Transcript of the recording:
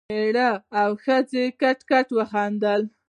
مېړه او ښځې کټ کټ وخندل.